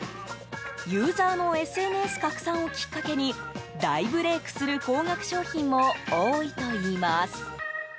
ユーザーのＳＮＳ拡散をきっかけに大ブレークする高額商品も多いといいます。